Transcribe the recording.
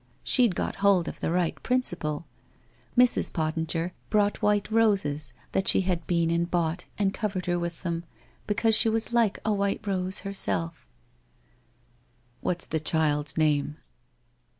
She'd got hold of the right principle. Mrs. Pot tinger brought white roses that she been and bought and covered her with them, because she was like a white rose herself '* What's the child's name